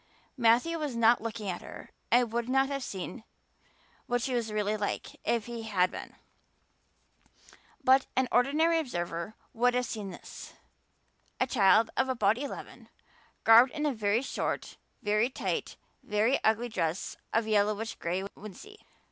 Matthew was not looking at her and would not have seen what she was really like if he had been, but an ordinary observer would have seen this: A child of about eleven, garbed in a very short, very tight, very ugly dress of yellowish gray wincey.